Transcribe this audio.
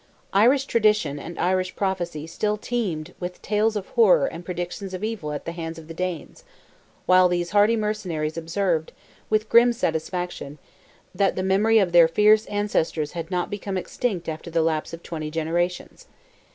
Irish tradition and Irish prophecy still teemed with tales of terror and predictions of evil at the hands of the Danes, while these hardy mercenaries observed, with grim satisfaction, that the memory of their fierce ancestors had not become extinct after the lapse of twenty generations.